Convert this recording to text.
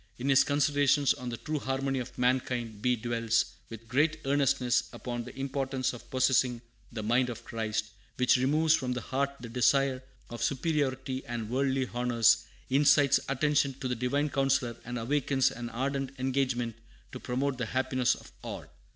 In his Considerations on the True Harmony of Mankind be dwells with great earnestness upon the importance of possessing "the mind of Christ," which removes from the heart the desire of superiority and worldly honors, incites attention to the Divine Counsellor, and awakens an ardent engagement to promote the happiness of all.